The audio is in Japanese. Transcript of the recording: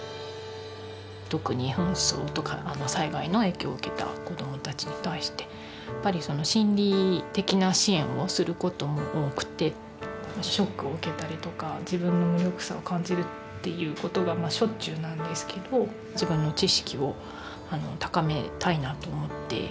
特に紛争とか災害の影響を受けた子どもたちに対してやっぱりその心理的な支援をする事も多くてショックを受けたりとか自分の無力さを感じるっていう事がしょっちゅうなんですけど自分の知識を高めたいなと思って。